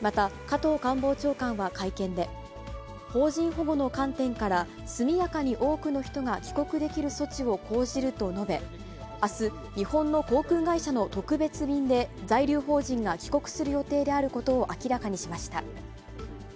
また、加藤官房長官は会見で、邦人保護の観点から速やかに多くの人が帰国できる措置を講じると述べ、あす、日本の航空会社の特別便で在留邦人が帰国する予定であることを明らかにしました。